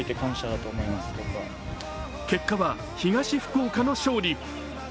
結果は東福岡の勝利。